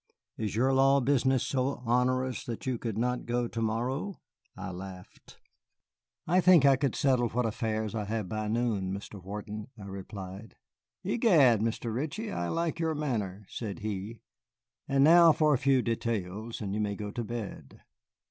Is your law business so onerous that you could not go to morrow?" I laughed. "I think I could settle what affairs I have by noon, Mr. Wharton," I replied. "Egad, Mr. Ritchie, I like your manner," said he; "and now for a few details, and you may go to bed."